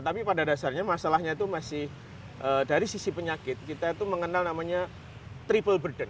tapi pada dasarnya masalahnya itu masih dari sisi penyakit kita itu mengenal namanya triple burden